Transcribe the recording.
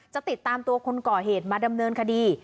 จะติดตามตัวคนก่อเหตุมาดำเนินคดี